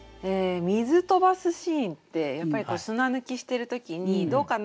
水とばすシーンってやっぱり砂抜きしてる時にどうかな？